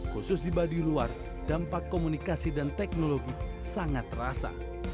khusus di baduy luar dampak komunikasi dan teknologi sangat terasa